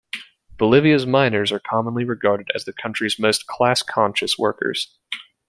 Bolivia's miners are commonly regarded as the country's most class-conscious workers.